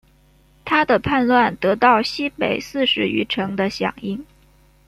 他的叛乱得到西北四十余城的响应。